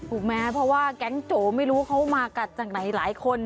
ถูกไหมเพราะว่าแก๊งโจไม่รู้เขามากัดจากไหนหลายคน